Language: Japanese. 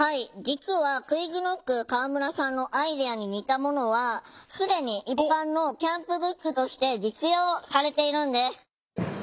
実はＱｕｉｚＫｎｏｃｋ河村さんのアイデアに似たものは既に一般のキャンプグッズとして実用されているんです。